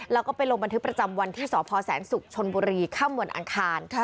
แล้วก็ไปลงบันทึกประจำวันที่สศสสุขชนบุรีข้ามวนอังคาร